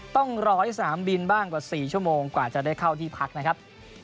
ต้องรอให้สนามบินบ้างกว่า๔ชั่วโมงกว่าจะได้เข้าที่พักนะครับ